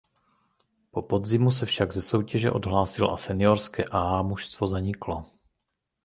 Po podzimu se však ze soutěže odhlásil a seniorské „A“ mužstvo zaniklo.